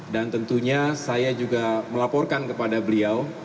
dan tentunya saya juga melaporkan kepada beliau